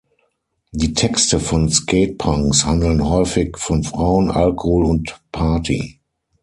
Die Texte von Skate-Punks handeln häufig von Frauen, Alkohol und Party.